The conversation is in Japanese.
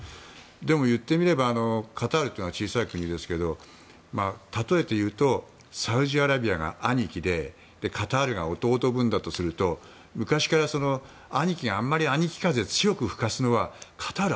でも言ってみればカタールというのは小さい国ですがたとえて言うとサウジアラビアが兄貴でカタールが弟分だとすると昔から兄貴が兄貴風を強く吹かすのはカタール